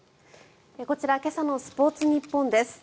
こちら今朝のスポーツニッポンです。